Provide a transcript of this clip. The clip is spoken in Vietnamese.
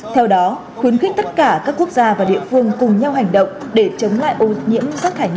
theo đó khuyến khích tất cả các quốc gia và địa phương cùng nhau hành động để chống lại ô nhiễm